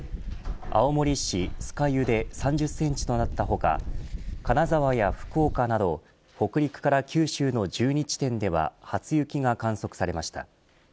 青森市酸ケ湯で３０センチとなった他金沢や福岡など北陸から九州の１２地点では初雪が観測されました。